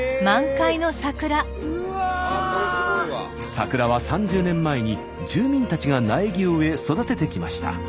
桜は３０年前に住民たちが苗木を植え育ててきました。